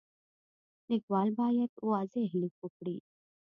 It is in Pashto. لیکوال باید واضح لیک وکړي.